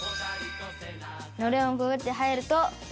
「暖簾をくぐって入ると」